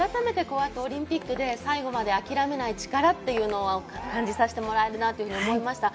オリンピックで最後まで諦めない力っていうのを感じさせてもらえるなと思いました。